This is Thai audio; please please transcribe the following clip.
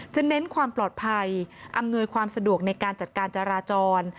เน้นความปลอดภัยอำนวยความสะดวกในการจัดการจราจร